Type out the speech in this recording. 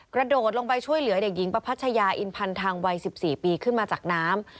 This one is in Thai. กระโดดลงไปช่วยเหลือเด็กหญิงประพัชยาอินพันธังวัย๑๔ปีขึ้นมาจากน้ำ